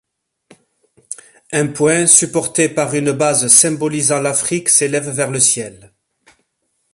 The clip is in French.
Un poing supporté par une base symbolisant l'Afrique s'élève vers le ciel.